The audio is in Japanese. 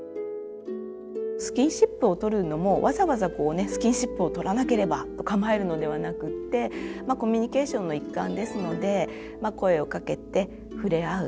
スキンシップを取るのもわざわざスキンシップを取らなければと構えるのではなくってコミュニケーションの一環ですので声をかけて触れ合う。